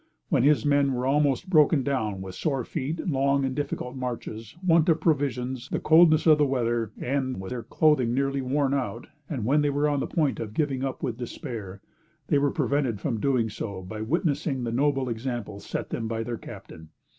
When his men were almost broken down with sore feet, long and difficult marches, want of provisions, the coldness of the weather, and with their clothing nearly worn out, and when they were on the point of giving up with despair, they were prevented from so doing by witnessing the noble example set them by their captain.